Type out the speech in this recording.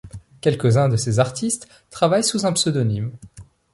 Quelques-uns de ces artistes travaillent sous un pseudonyme.